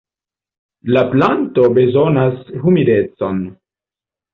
La planto bezonas humidecon.